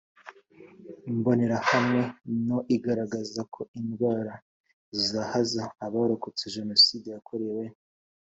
Imbonerahamwe no igaragaza ko indwara zizahaza Abarokotse Jenoside yakorewe